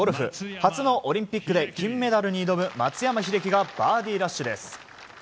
初のオリンピックで金メダルに挑む松山英樹がバーディーラッシュです。